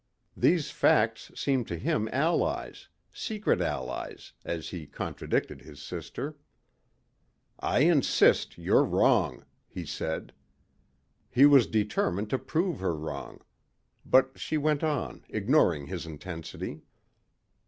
These facts seemed to him allies secret allies, as he contradicted his sister. "I insist you're wrong," he said. He was determined to prove her wrong. But she went on, ignoring his intensity.